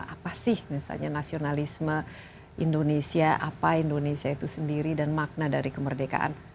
apa sih misalnya nasionalisme indonesia apa indonesia itu sendiri dan makna dari kemerdekaan